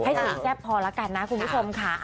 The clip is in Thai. ให้ฉันแจ้วพอแล้วกันนะคุณผู้ชมค่ะ